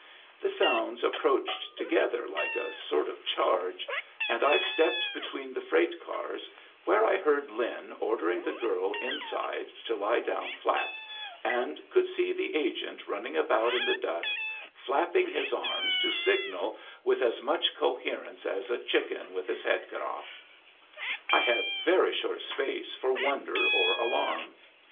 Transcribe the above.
The sounds approached together like a sort of charge, and I stepped between the freight cars, where I heard Lin ordering the girl inside to lie down flat, and could see the agent running about in the dust, flapping his arms to signal with as much coherence as a chicken with its head off. I had very short space for wonder or alarm.